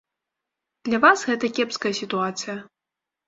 Для вас гэта кепская сітуацыя.